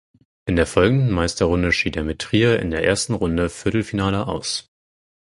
In der folgenden Meisterrunde schied er mit Trier in der ersten Runde (Viertelfinale) aus.